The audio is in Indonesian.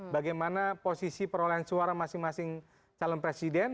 bagaimana posisi perolehan suara masing masing calon presiden